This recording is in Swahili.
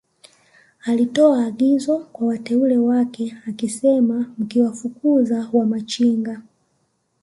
alitoa agizo kwa wateule wake akisema Mkiwafukuza Wamachinga